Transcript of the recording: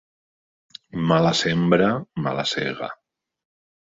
Mala sembra, mala sega.